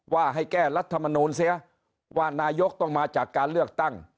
ว่าให้แก้รัฐมนูลเสียว่านายกต้องมาจากการเลือกตั้ง